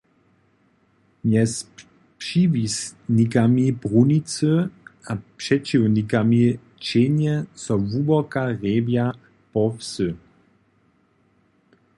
Mjez přiwisnikami brunicy a přećiwnikami ćehnje so hłuboka hrjebja po wsy.